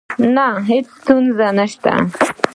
نه، هیڅ ستونزه نشته